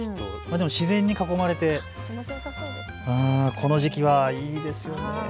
でも自然に囲まれてこの時期はいいですよね。